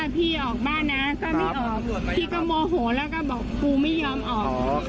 พี่ก็โมโหแล้วก็บอกกูไม่ยอมออก